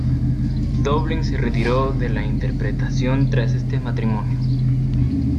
Dowling se retiró de la interpretación tras este matrimonio.